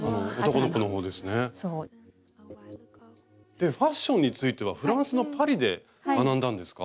でファッションについてはフランスのパリで学んだんですか？